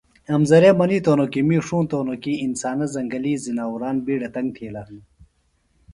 امزرے منیتوۡ ہنوۡ کی می ݜونتوۡ ہنوۡ کیۡ انسانہ زنگلی زناوران بیڈہ تنگ تِھیلہ ہِنہ